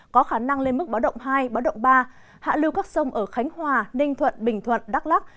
có khả năng lên mức báo động hai báo động ba hạ lưu các sông ở khánh hòa ninh thuận bình thuận đắk lắc